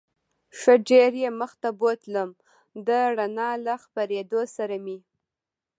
ښه ډېر یې مخ ته بوتلم، د رڼا له خپرېدو سره مې.